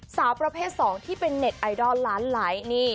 สาวประเภทสองที่เป็นเน็ตไอดอลล้านหลายนี่